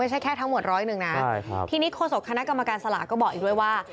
แค่ทั้งหมดร้อยหนึ่งนะทีนี้โฆษกคณะกรรมการสลากก็บอกอีกด้วยว่า